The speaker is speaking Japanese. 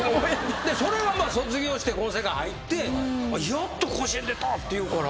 それが卒業してこの世界入ってやっと甲子園出たっていうから。